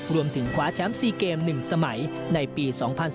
รวมถึงขวาแชมป์๔เกมหนึ่มสมัยในปี๒๐๑๓